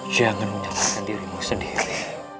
jangan menyalahkan dirimu sendiri